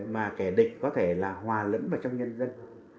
mà kẻ địch có thể là hòa lẫn vào trong nhân dân